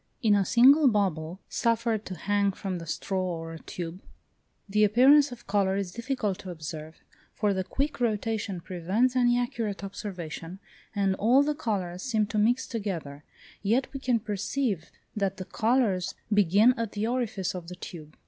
In a single bubble, suffered to hang from the straw or tube, the appearance of colour is difficult to observe, for the quick rotation prevents any accurate observation, and all the colours seem to mix together; yet we can perceive that the colours begin at the orifice of the tube.